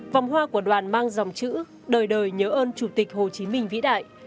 vòng hoa của đoàn mang dòng chữ đời đời nhớ ơn chủ tịch hồ chí minh vĩ đại